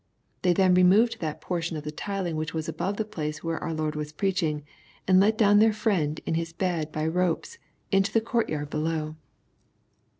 They then removed that portion of the tiling which was above the place where our Lord was preaching, and let down their friend in his bed by ropes into the court yard below.